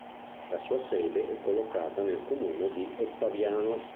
La sua sede è collocata nel comune di Ottaviano.